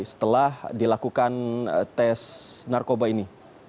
setelah dilakukan tes narkoba ini